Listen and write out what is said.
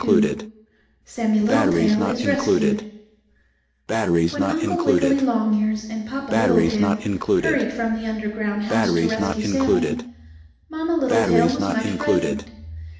II SAMMIE LITTLETAIL IS RESCUED When Uncle Wiggily Longears and Papa Littletail hurried from the underground house to rescue Sammie, Mamma Littletail was much frightened.